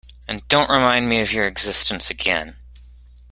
And don’t remind me of your existence again.